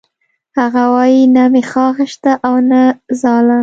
هغه وایی نه مې خاښ شته او نه ځاله